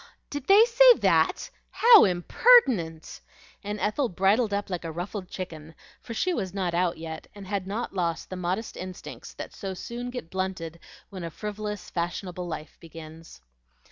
"Did they say that? How impertinent!" and Ethel bridled up like a ruffled chicken, for she was not out yet, and had not lost the modest instincts that so soon get blunted when a frivolous fashionable life begins.